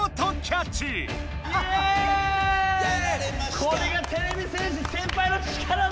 これがてれび戦士せんぱいの力だ！